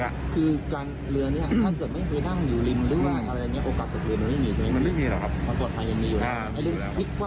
โอกาสตกเรือมันไม่มีใช่ไหมครับมันปลอดภัยมันมีอยู่แล้วครับไม่มีครับ